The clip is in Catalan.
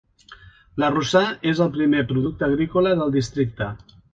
L'arrossar és el principal producte agrícola del districte.